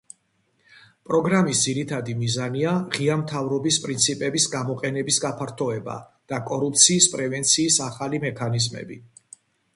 პროგრამის ძირითადი მიზანია ღია მთავრობის პრინციპების გამოყენების გაფართოება და კორუფციის პრევენციის ახალი მექანიზმები.